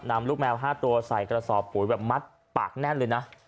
นำลูกแมว๕ตัวใส่กระสอบปุ๋ยแบบมัดปากแน่นเลยนะ